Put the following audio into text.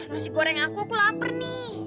nasi goreng aku lapar nih